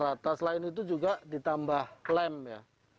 rata selain itu juga ditambah klaim ya